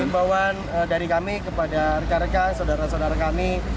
imbauan dari kami kepada rekan rekan saudara saudara kami